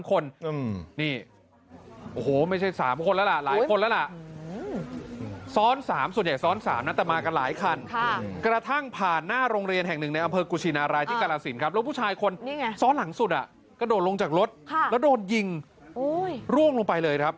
ก็โดนลงจากรถค่ะแล้วโดนยิงอุ้ยร่วงลงไปเลยครับ